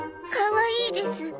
かわいいです。